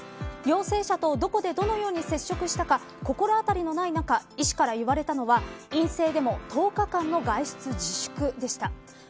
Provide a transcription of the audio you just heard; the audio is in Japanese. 陽性者とどこでどのように接触したか心当たりのない中医師から言われたのは陰性でも１０日間の外出自粛でした。